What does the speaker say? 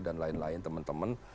dan lain lain teman teman